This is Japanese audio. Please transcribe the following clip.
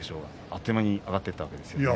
あっという間に上がっていたんですね。